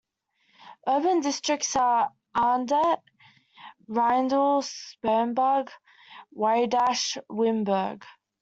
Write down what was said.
Urban districts are: Adnet, Riedl, Spumberg, Waidach, Wimberg.